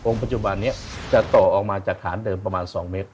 ปัจจุบันนี้จะต่อออกมาจากฐานเดิมประมาณ๒เมตร